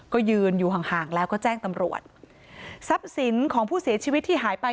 ก็ยืนอยู่ห่างห่างแล้วก็แจ้งตำรวจทรัพย์สินของผู้เสียชีวิตที่หายไป